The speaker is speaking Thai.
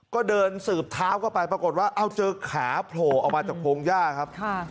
ก็เดินสืบท้าวก็ไปปรากฏว่าเอาเจอขาโผล่เอามาจากโครงย่าครับ